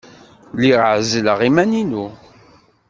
Lliɣ ɛezzleɣ iman-inu.